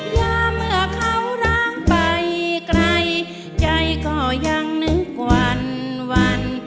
ว่าเมื่อเขาร้างไปไกลใจก็ยังนึกวัน